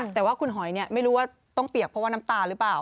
แต่ว่าคุณหอยไม่รู้ว่าต้องเปียกเพราะว่าน้ำตาหรือเปล่า